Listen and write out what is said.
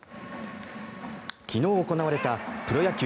昨日、行われたプロ野球